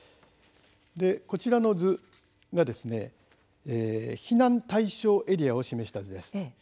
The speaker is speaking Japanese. こちらの図が避難対象エリアを示した図です。